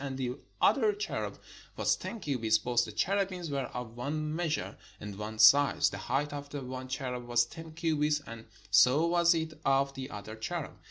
And the other cherub was ten cubits : both the cherubim were of one measure and one size. The height of the one cherub was ten cubits, and so was it of the other cherub.